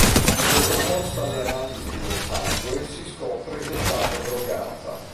Sottoposta alle analisi del sangue, si scopre che è stata drogata..